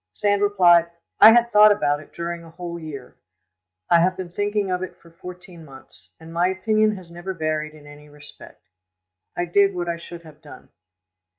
Sand replied, "I had thought about it during a whole year. I have been thinking of it for fourteen months, and my opinion has never varied in any respect: I did what I should have done."